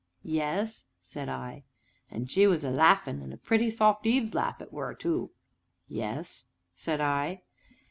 "Yes?" said I. "And she was a laughin' and a pretty, soft, Eve's laugh it were, too." "Yes?" said I.